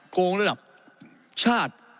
โกงระดับชาติ